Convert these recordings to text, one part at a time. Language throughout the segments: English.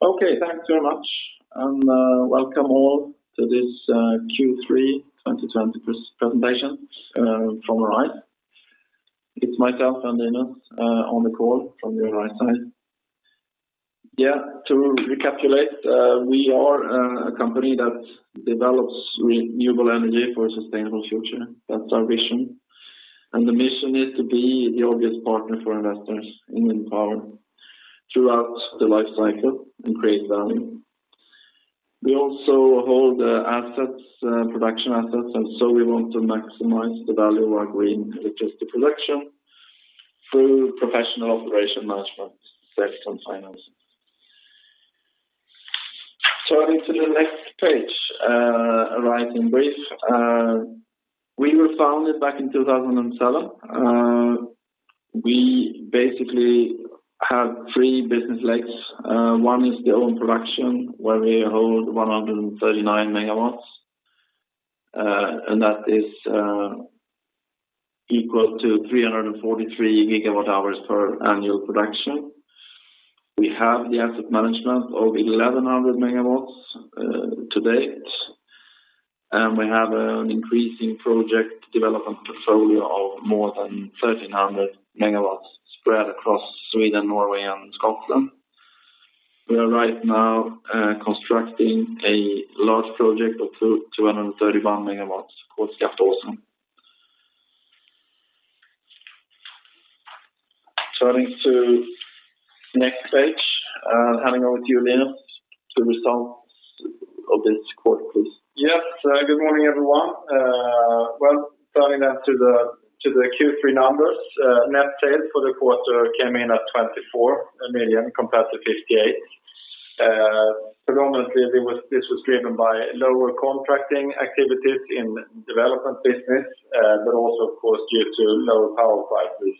Okay, thanks very much, and welcome all to this Q3 2020 presentation from Arise. It's myself and Linus on the call from the Arise side. To recapitulate, we are a company that develops renewable energy for a sustainable future. That's our vision. The mission is to be the obvious partner for investors in wind power throughout the life cycle and create value. We also hold production assets, so we want to maximize the value of our green electricity production through professional operation management, sales, and finance. Turning to the next page, Arise in brief. We were founded back in 2007. We basically have three business legs. One is the owned production, where we hold 139 MW. That is equal to 343 GWh per annual production. We have the asset management of 1,100 MW to date, and we have an increasing project development portfolio of more than 1,300 MW spread across Sweden, Norway, and Scotland. We are right now constructing a large project of 231 MW called Skaftåsen. Turning to the next page, handing over to you, Linus. The results of this quarter, please. Yes. Good morning, everyone. Turning to the Q3 numbers. Net sales for the quarter came in at 24 million compared to 58 million. This was driven by lower contracting activities in development business, but also of course due to lower power prices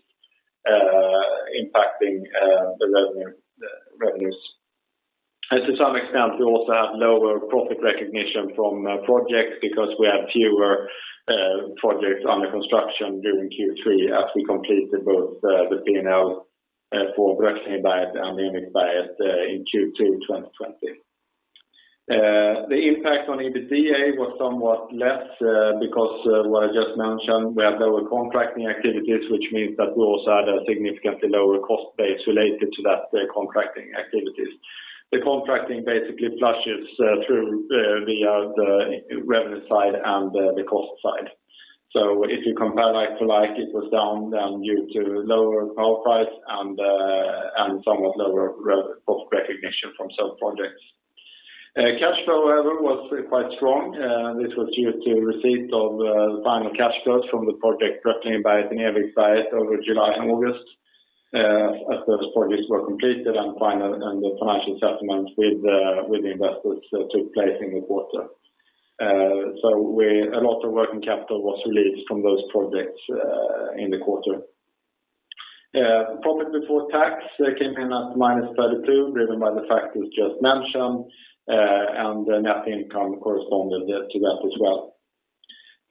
impacting the revenues. To some extent, we also have lower profit recognition from projects because we have fewer projects under construction during Q3 as we completed both the P&L for Brännliden and Envikberget in Q2 2020. The impact on EBITDA was somewhat less because what I just mentioned, we have lower contracting activities, which means that we also had a significantly lower cost base related to that contracting activities. The contracting basically flushes through via the revenue side and the cost side. If you compare like to like, it was down due to lower power price and somewhat lower profit recognition from some projects. Cash flow, however, was quite strong. This was due to receipt of the final cash flows from the project Brännliden and Envikberget over July and August, as those projects were completed and the financial settlement with the investors took place in the quarter. A lot of working capital was released from those projects in the quarter. Profit before tax came in at -32, driven by the factors just mentioned, and net income corresponded to that as well.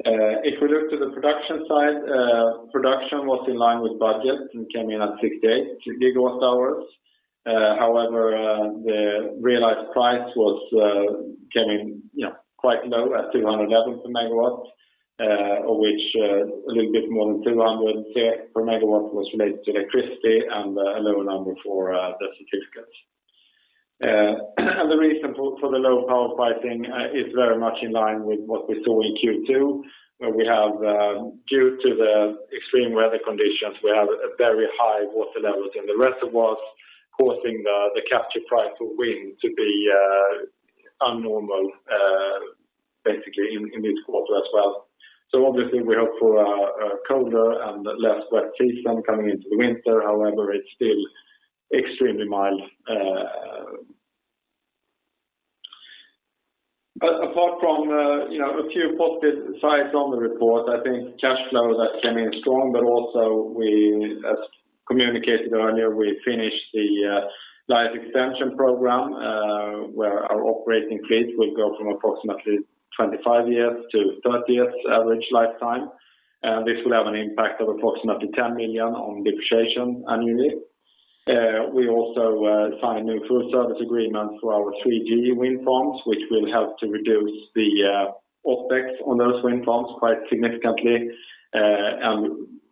If we look to the production side, production was in line with budget and came in at 68 GWh. However, the realized price came in quite low at 211 per MW, of which a little bit more than 200 per MW was related to electricity and a lower number for the certificates. The reason for the low power pricing is very much in line with what we saw in Q2, where due to the extreme weather conditions, we have very high water levels in the reservoirs, causing the capture price for wind to be abnormal in this quarter as well. Obviously, we hope for a colder and less wet season coming into the winter. However, it's still extremely mild. Apart from a few positive sides on the report, I think cash flow that came in strong, also we, as communicated earlier, we finished the life extension program, where our operating fleet will go from approximately 25 years-30 years average lifetime. This will have an impact of approximately 10 million on depreciation annually. We also signed new full service agreements for our 3G wind farms, which will help to reduce the OpEx on those wind farms quite significantly.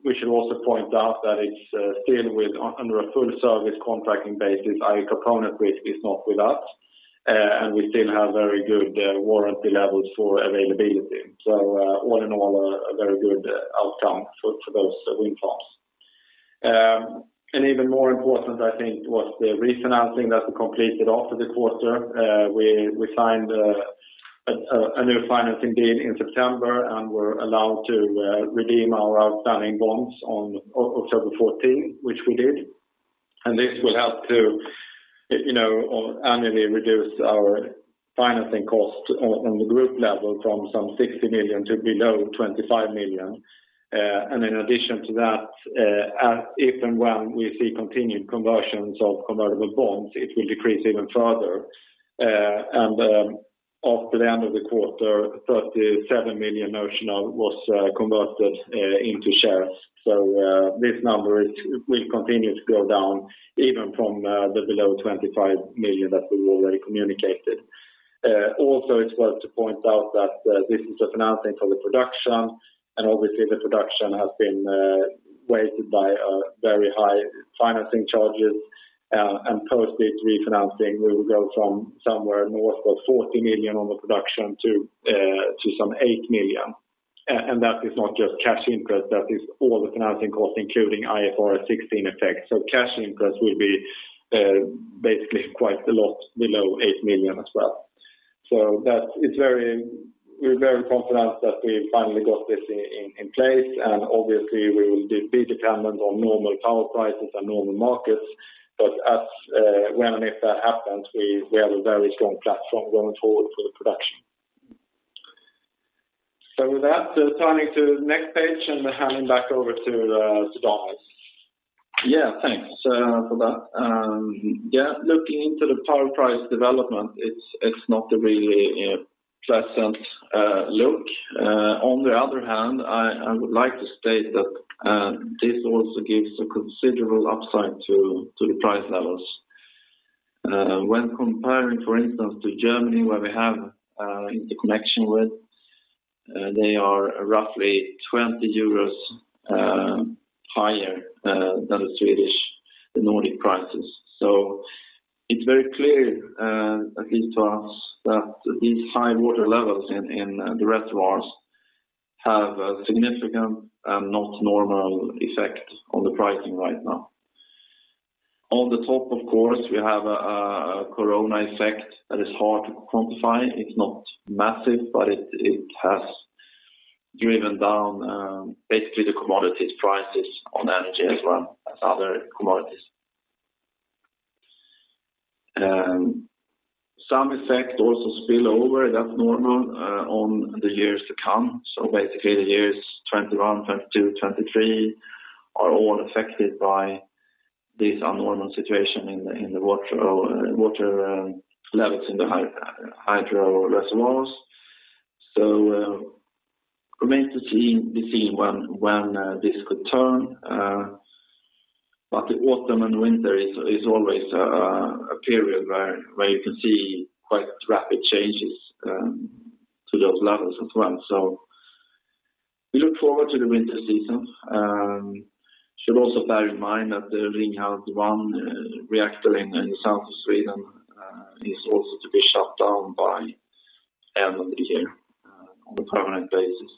We should also point out that it's still under a full service contracting basis, i.e. component risk is not with us. We still have very good warranty levels for availability. All in all, a very good outcome for those wind farms. Even more important, I think, was the refinancing that we completed after the quarter. We signed a new financing deal in September, and we're allowed to redeem our outstanding bonds on October 14, which we did. This will help to annually reduce our financing cost on the group level from some 60 million-below 25 million. In addition to that, if and when we see continued conversions of convertible bonds, it will decrease even further. After the end of the quarter, 37 million notional was converted into shares. This number will continue to go down even from the below 25 million that we've already communicated. It's worth to point out that this is a financing for the production, and obviously, the production has been weighted by very high financing charges. Post this refinancing, we will go from somewhere north of 40 million on the production to some 8 million. That is not just cash interest, that is all the financing costs, including IFRS 16 effect. Cash interest will be basically quite a lot below SEK 8 million as well. We're very confident that we finally got this in place, and obviously, we will be dependent on normal power prices and normal markets. As, when and if that happens, we have a very strong platform going forward for the production. With that, turning to the next page and handing back over to Johansson. Thanks for that. Looking into the power price development, it's not a really pleasant look. On the other hand, I would like to state that this also gives a considerable upside to the price levels. When comparing, for instance, to Germany where we have interconnection with, they are roughly 20 euros higher than the Swedish, the Nordic prices. It's very clear, at least to us, that these high water levels in the reservoirs have a significant and not normal effect on the pricing right now. On the top, of course, we have a corona effect that is hard to quantify. It's not massive, but it has driven down basically the commodities prices on energy as well as other commodities. Some effect also spill over, that's normal, on the years to come. Basically, the years 2021, 2022, 2023 are all affected by this abnormal situation in the water levels in the hydro reservoirs. Remains to be seen when this could turn. The autumn and winter is always a period where you can see quite rapid changes to those levels as well. We look forward to the winter season. Should also bear in mind that the Ringhals 1 reactor in south Sweden is also to be shut down by end of the year on a permanent basis.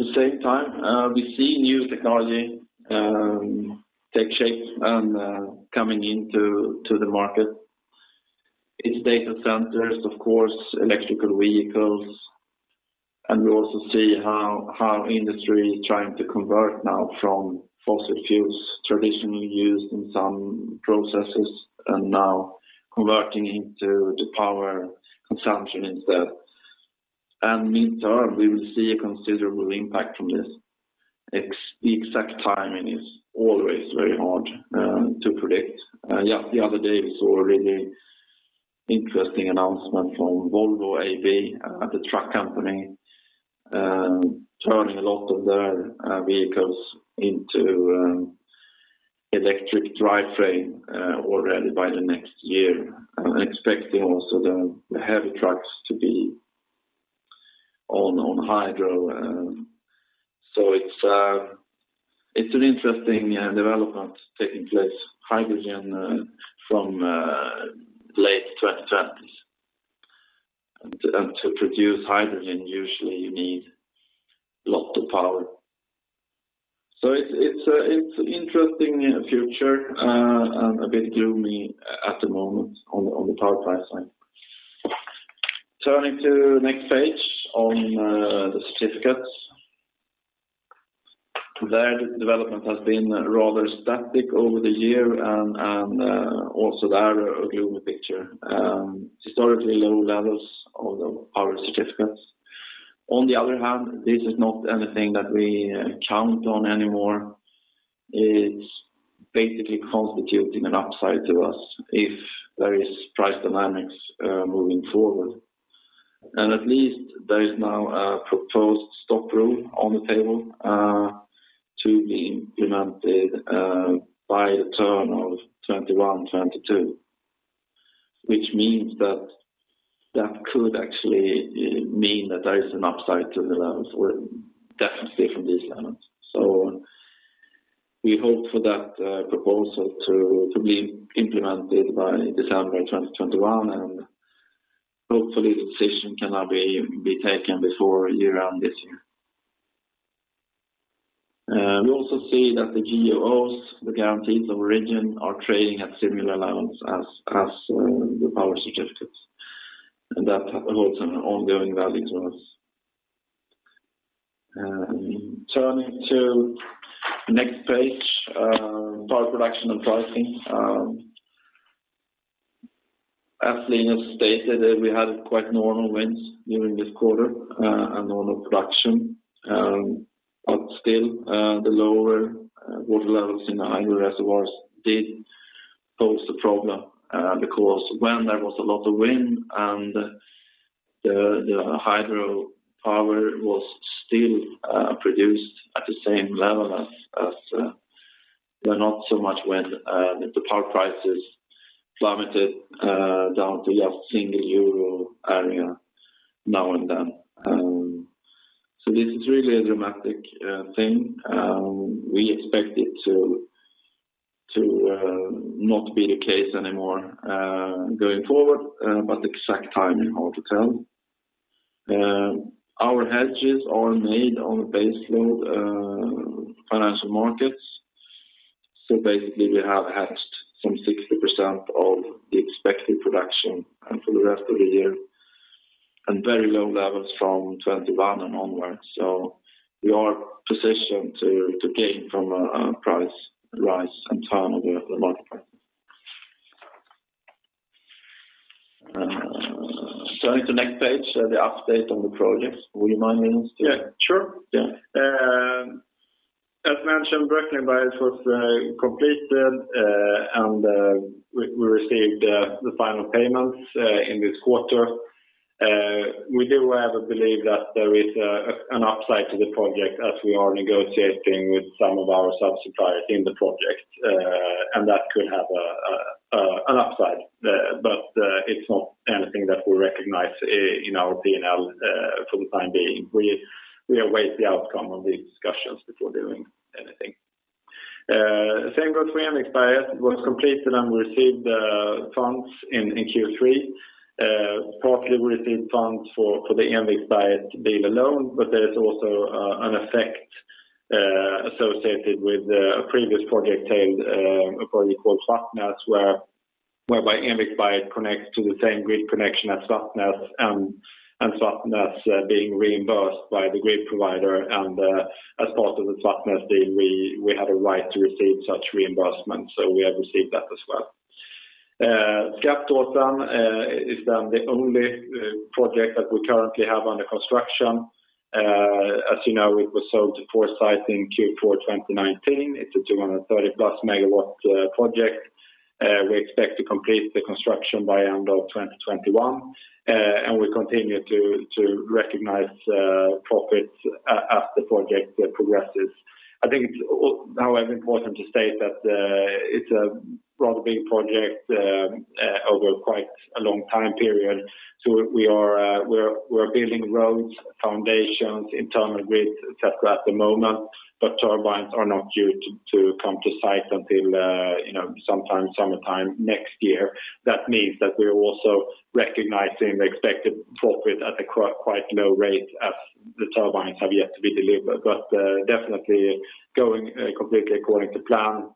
At the same time, we see new technology take shape and coming into the market. It's data centers, of course, electrical vehicles, and we also see how industry is trying to convert now from fossil fuels traditionally used in some processes and now converting into the power consumption instead. Mid-term, we will see a considerable impact from this. The exact timing is always very hard to predict. Just the other day, we saw a really interesting announcement from Volvo AB, the truck company, turning a lot of their vehicles into electric drivetrain already by the next year and expecting also the heavy trucks to be all on hydro. It's an interesting development taking place. Hydrogen from late 2020s. To produce hydrogen, usually you need lot of power. It's interesting future, and a bit gloomy at the moment on the power price side. Turning to next page on the certificates. There, the development has been rather static over the year and also there a gloomy picture. Historically low levels of the power certificates. On the other hand, this is not anything that we count on anymore. It's basically constituting an upside to us if there is price dynamics moving forward. At least there is now a proposed stop rule on the table to be implemented by the turn of 2021, 2022, which means that could actually mean that there is an upside to the levels or definitely from these levels. We hope for that proposal to be implemented by December 2021, and hopefully the decision can now be taken before year-end this year. We also see that the GOOs, the Guarantees of Origin, are trading at similar levels as the power certificates, and that holds an ongoing value to us. Turning to next page, power production and pricing. As Linus stated, we had quite normal winds during this quarter and normal production. Still, the lower water levels in the hydro reservoirs did pose a problem, because when there was a lot of wind and the hydro power was still produced at the same level. Not so much when the power prices plummeted down to a single EUR area now and then. This is really a dramatic thing. We expect it to not be the case anymore going forward, the exact timing, hard to tell. Our hedges are made on the baseload financial markets. Basically, we have hedged some 60% of the expected production and for the rest of the year, and very low levels from 2021 and onwards. We are positioned to gain from a price rise in turn over the market. Turning to next page, the update on the projects. Will you remind me, Mister? Yeah, sure. Yeah. As mentioned, Brännliden was completed, and we received the final payments in this quarter. We do, however, believe that there is an upside to the project as we are negotiating with some of our sub-suppliers in the project, and that could have an upside, but it's not anything that we recognize in our P&L for the time being. We await the outcome of the discussions before doing anything. Same goes for Envikberget. It was completed and we received funds in Q3. Partly, we received funds for the Envikberget deal alone, but there is also an effect associated with a previous project called Svartnäs, whereby Envikberget connects to the same grid connection as Svartnäs, and Svartnäs being reimbursed by the grid provider, and as part of the Svartnäs deal, we had a right to receive such reimbursement, so we have received that as well. Skaftåsen is the only project that we currently have under construction. As you know, it was sold to Foresight in Q4 2019. It's a 230+ MW project. We expect to complete the construction by end of 2021, and we continue to recognize profits as the project progresses. I think it's, however, important to state that it's a rather big project over quite a long time period. We're building roads, foundations, internal grid, et cetera, at the moment, but turbines are not due to come to site until sometime summertime next year. That means that we're also recognizing the expected profit at a quite low rate as the turbines have yet to be delivered. Definitely going completely according to plan.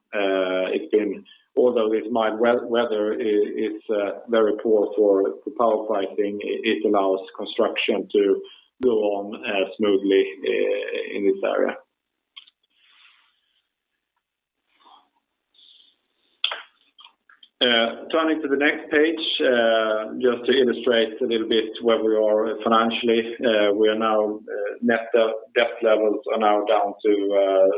Although it's mild weather, it's very poor for power pricing, it allows construction to go on smoothly in this area. Turning to the next page, just to illustrate a little bit where we are financially. Net debt levels are now down to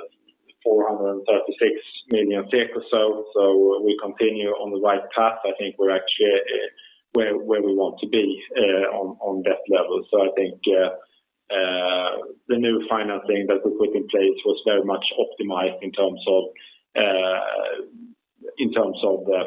436 million SEK or so. We continue on the right path. I think we're actually where we want to be on debt level. I think the new financing that we put in place was very much optimized in terms of the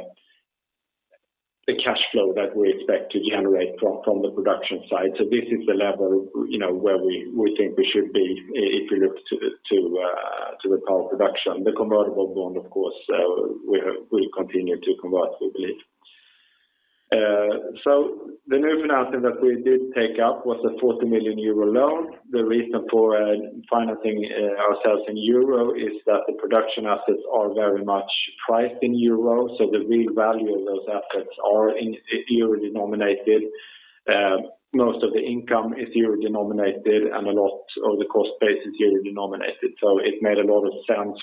cash flow that we expect to generate from the production side. This is the level where we think we should be if you look to the power production. The convertible bond, of course, will continue to convert, we believe. The new financing that we did take up was a 40 million euro loan. The reason for financing ourselves in euro is that the production assets are very much priced in euro, so the real value of those assets are in euro-denominated. Most of the income is EUR-denominated, a lot of the cost base is EUR-denominated. It made a lot of sense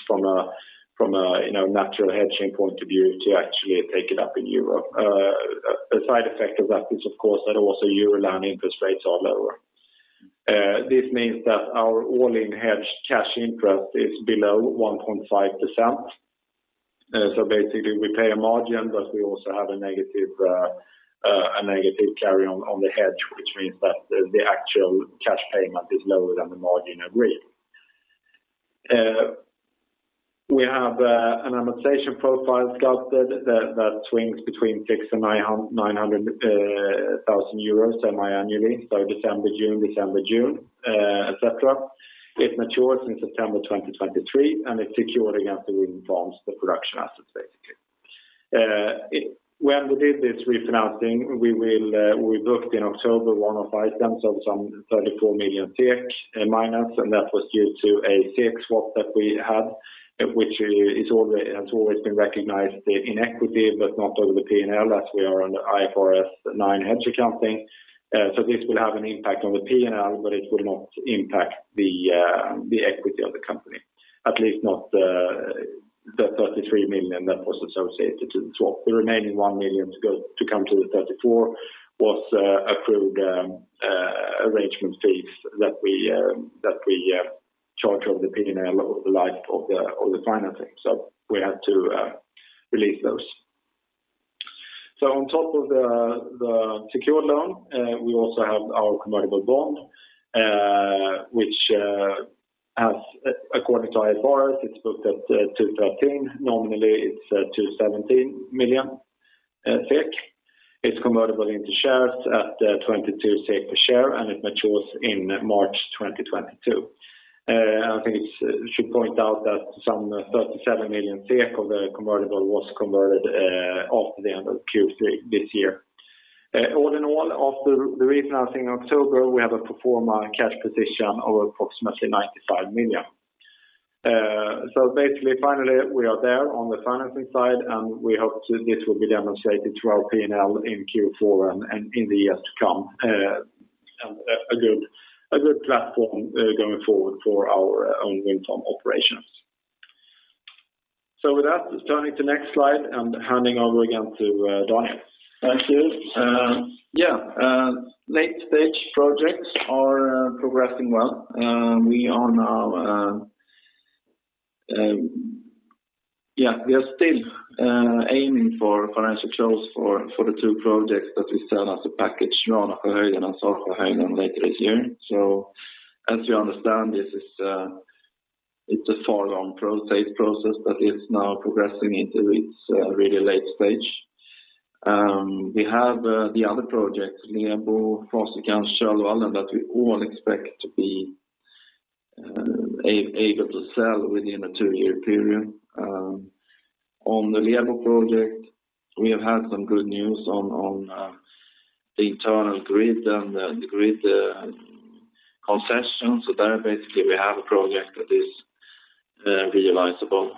from a natural hedging point of view to actually take it up in EUR. A side effect of that is, of course, that also EUR loan interest rates are lower. This means that our all-in hedge cash interest is below 1.5%. Basically, we pay a margin, but we also have a negative carry on the hedge, which means that the actual cash payment is lower than the margin agreed. We have an amortization profile sculpted that swings between 6 and 900,000 euros semi-annually, so December, June, December, June, et cetera. It matures in September 2023, it's secured against the wind farms, the production assets, basically. We booked in October one-off items of some 34 million minus. That was due to a SEK swap that we had, which has always been recognized in equity, but not over the P&L as we are under IFRS 9 hedge accounting. This will have an impact on the P&L, it will not impact the equity of the company. At least not the 33 million that was associated to the swap. The remaining 1 million to come to the 34 million was approved arrangement fees that we charge over the P&L over the life of the financing. We had to release those. On top of the secured loan, we also have our convertible bond, which according to IFRS, it's booked at 213 million. Nominally, it's 217 million SEK. It's convertible into shares at 22 SEK per share, it matures in March 2022. I think we should point out that some 37 million of the convertible was converted after the end of Q3 this year. All in all, after the refinancing in October, we have a pro forma cash position of approximately 95 million. Basically, finally, we are there on the financing side, and we hope this will be demonstrated through our P&L in Q4 and in the years to come, and a good platform going forward for our own wind farm operations. With that, turning to the next slide and handing over again to Daniel. Thank you. Yeah. Late-stage projects are progressing well. We are still aiming for financial close for the two projects that we sell as a package, Ranasjöhöjden and Salsjöhöjden, later this year. As you understand, this is a far long process, but it's now progressing into its really late stage. We have the other projects, Lebo, Fasikan, Kölvallen, that we all expect to be able to sell within a two-year period. On the Lebo project, we have had some good news on the internal grid and the grid concession. There, basically, we have a project that is realizable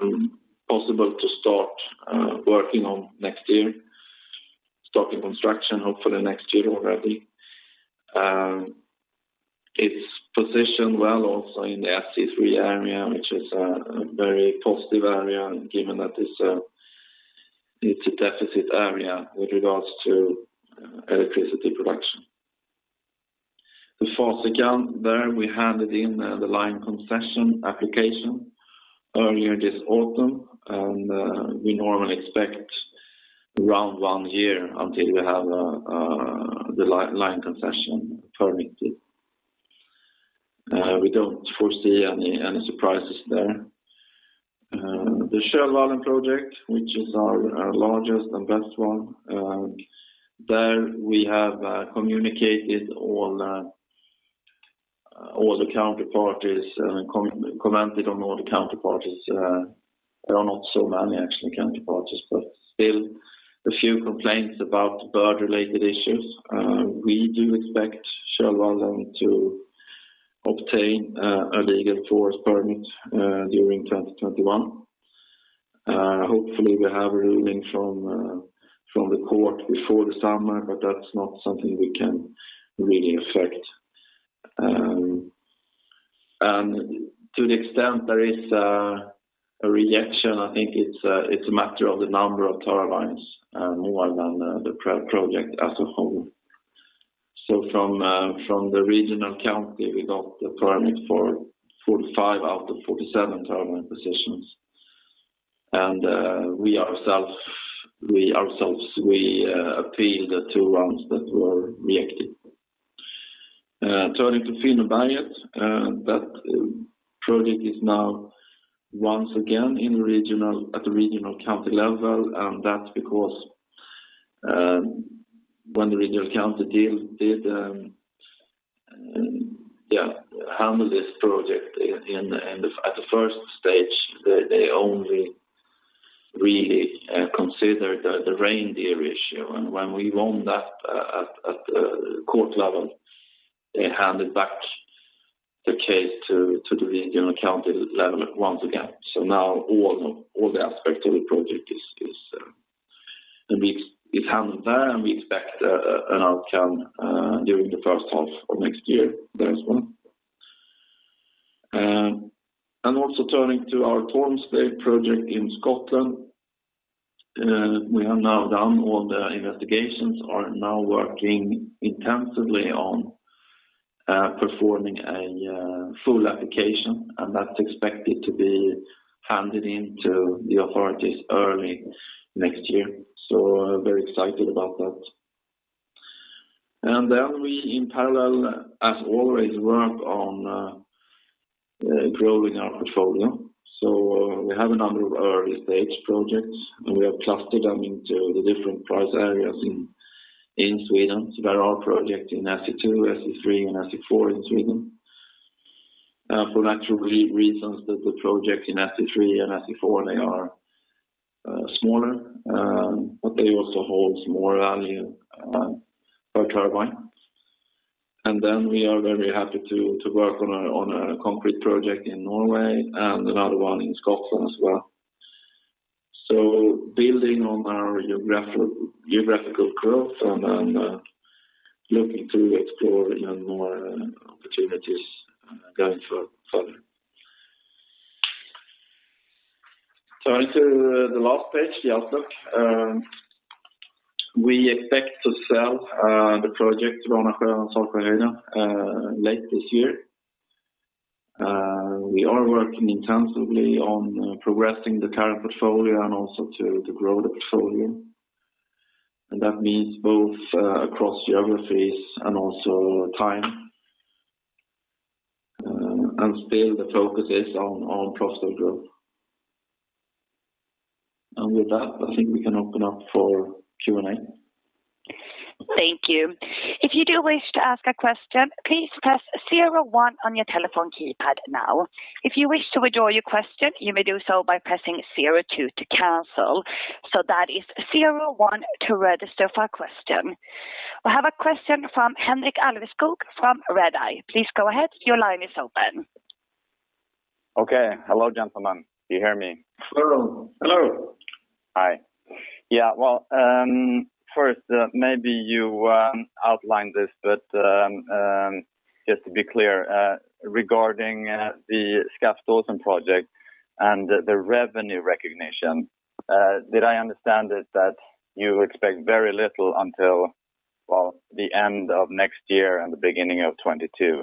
and possible to start working on next year, starting construction hopefully next year already. It's positioned well also in the SE3 area, which is a very positive area, given that it's a deficit area with regards to electricity production. The Fasikan, there, we handed in the line concession application earlier this autumn, and we normally expect around one year until we have the line concession permitted. We don't foresee any surprises there. The Kölvallen project, which is our largest and best one, there, we have communicated all the counter parties, commented on all the counter parties. There are not so many actually counter parties, but still a few complaints about bird-related issues. We do expect Kölvallen to obtain a legal force permit during 2021. Hopefully, we have a ruling from the court before the summer, but that's not something we can really affect. To the extent there is a reaction, I think it's a matter of the number of turbines more than the project as a whole. From the regional county, we got the permit for 45 out of 47 turbine positions. We ourselves, we appealed the two ones that were rejected. Turning to Finnåberget, that project is now once again at the regional county level, and that's because when the regional county did handle this project at the first stage, they only really considered the reindeer issue. When we won that at the court level, they handed back the case to the regional county level once again. Now all the aspect of the project is handled there, and we expect an outcome during the first half of next year, that one. Also turning to our Tormsdale project in Scotland, we have now done all the investigations, are now working intensively on performing a full application, and that's expected to be handed in to the authorities early next year. Very excited about that. We, in parallel, as always, work on growing our portfolio. We have a number of early-stage projects, and we have clustered them into the different price areas in Sweden. There are projects in SE2, SE3, and SE4 in Sweden. For natural reasons that the projects in SE3 and SE4, they are smaller, but they also hold more value per turbine. We are very happy to work on a concrete project in Norway and another one in Scotland as well. Building on our geographical growth and then looking to explore even more opportunities going further. On to the last page, the outlook. We expect to sell the project Ranasjöhöjden and Salsjöhöjden late this year. We are working intensively on progressing the current portfolio and also to grow the portfolio. That means both across geographies and also time. Still the focus is on profitable growth. With that, I think we can open up for Q&A. Thank you. If you do wish to ask a question, please press zero one on your telephone keypad now. If you wish to withdraw your question, you may do so by pressing zero two to cancel. So, that is zero one to register for a question.I have a question from Henrik Alveskog from Redeye. Please go ahead. Your line is open. Okay. Hello, gentlemen. Do you hear me? Hello. Hi. Yeah. Well, first, maybe you outlined this, but just to be clear, regarding the Skaftåsen project and the revenue recognition, did I understand it that you expect very little until the end of next year and the beginning of 2022?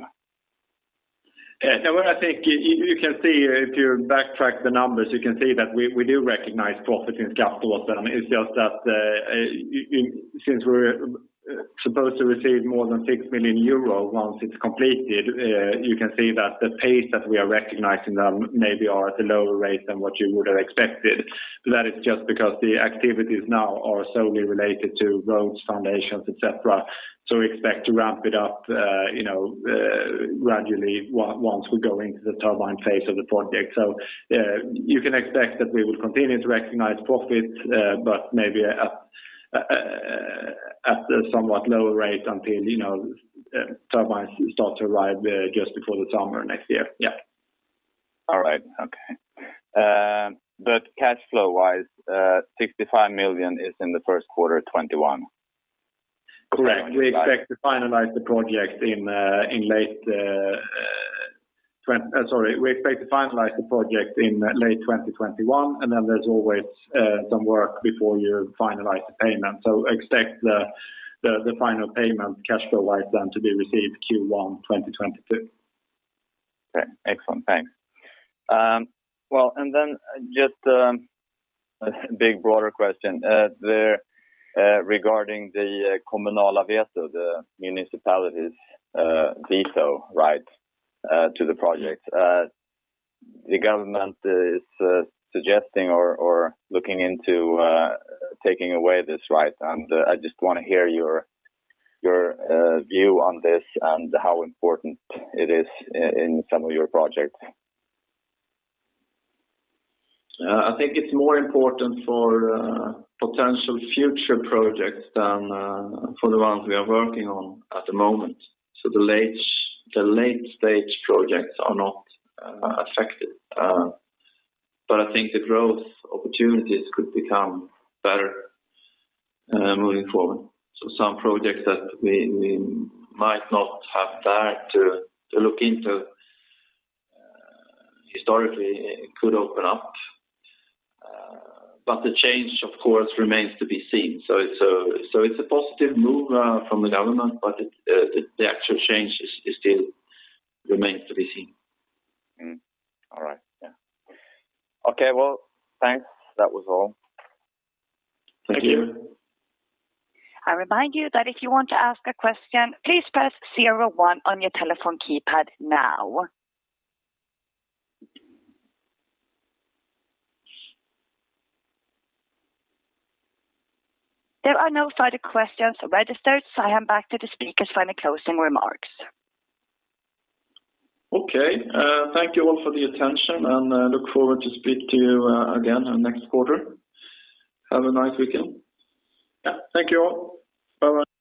Yeah. You can see if you backtrack the numbers, you can see that we do recognize profit in Skaftåsen. It's just that since we're supposed to receive more than 6 million euros once it's completed, you can see that the pace that we are recognizing them maybe are at a lower rate than what you would have expected. That is just because the activities now are solely related to roads, foundations, et cetera. We expect to ramp it up gradually once we go into the turbine phase of the project. You can expect that we will continue to recognize profit, but maybe at a somewhat lower rate until turbines start to arrive just before the summer next year. Yeah. All right. Okay. Cash flow wise, 65 million is in the first quarter 2021. Correct. We expect to finalize the project in late 2021, and then there's always some work before you finalize the payment. Expect the final payment cash flow-wise then to be received Q1 2022. Okay. Excellent. Thanks. Well, just a big broader question regarding the Kommunalt veto, the municipality's veto right to the project. The government is suggesting or looking into taking away this right, I just want to hear your view on this and how important it is in some of your projects. I think it's more important for potential future projects than for the ones we are working on at the moment. The late-stage projects are not affected. I think the growth opportunities could become better moving forward. Some projects that we might not have dared to look into historically could open up. The change, of course, remains to be seen. It's a positive move from the government, but the actual change still remains to be seen. All right. Yeah. Okay, well, thanks. That was all. Thank you. I remind you that if you want to ask a question, please press zero one on your telephone keypad now. There are no further questions registered, so I hand back to the speakers for any closing remarks. Okay. Thank you all for the attention. Look forward to speak to you again next quarter. Have a nice weekend. Yeah. Thank you all. Bye-bye.